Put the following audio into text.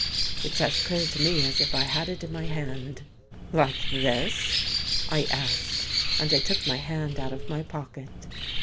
It's as clear to me as if I had it in my hand." " Like this? " I asked and I took my hand out of my pocket.